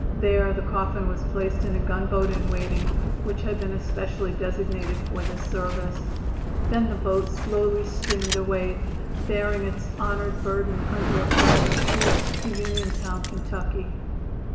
There the coffin was placed in a gunboat in waiting, which had been especially designated for this service. Then the boat slowly steamed away, bearing its honored burden under a flag of truce to Uniontown, Ky.